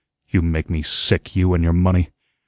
"You make me sick, you and your money.